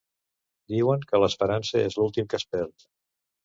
Diuen que l'esperança és l'últim que es perd.